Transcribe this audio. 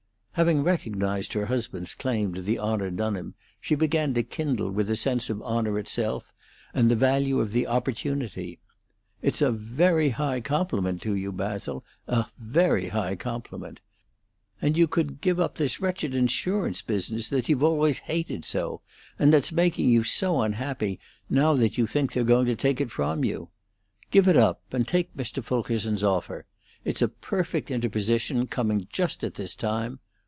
Having recognized her husband's claim to the honor done him, she began to kindle with a sense of the honor itself and the value of the opportunity. "It's a very high compliment to you, Basil a very high compliment. And you could give up this wretched insurance business that you've always hated so, and that's making you so unhappy now that you think they're going to take it from you. Give it up and take Mr. Fulkerson's offer! It's a perfect interposition, coming just at this time!